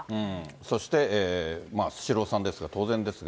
そしてスシローさんですが、当然ですが。